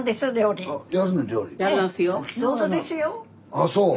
ああそう。